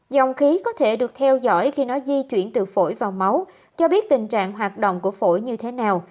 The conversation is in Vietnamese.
dòng khí có thể được theo dõi khi nó di chuyển từ phổi vào máu cho biết tình trạng hoạt động của phổi như thế nào